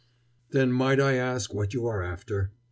"Then might I ask what you are after?"